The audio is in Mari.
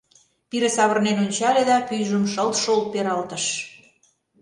Пире савырнен ончале да пӱйжым «шылт-шолт» пералтыш.